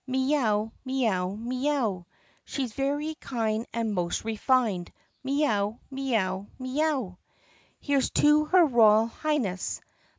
Mee ow! Mee ow! M ee ow! She 's very kind and most refined! Mee ow! Mee ow! Mee ow! "Here 's to her Royal Highness!